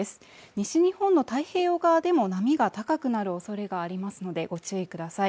西日本の太平洋側でも波が高くなるおそれがありますのでご注意ください